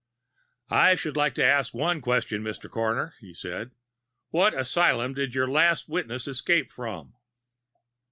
"I should like to ask one question, Mr. Coroner," he said. "What asylum did this yer last witness escape from?"